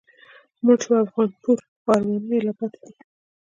مړ شو افغانپور خو آرمانونه یې لا پاتی دي